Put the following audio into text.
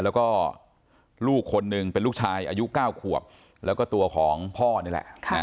แล้วก็ลูกคนหนึ่งเป็นลูกชายอายุ๙ขวบแล้วก็ตัวของพ่อนี่แหละ